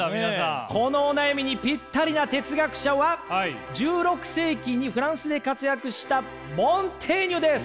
このお悩みにぴったりな哲学者は１６世紀にフランスで活躍したモンテーニュです！